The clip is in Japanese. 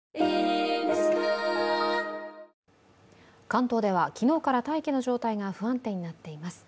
関東では昨日から大気の状態が不安定になっています。